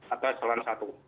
atau salon satu